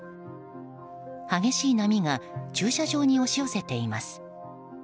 激しい波が駐車場に押し寄せています。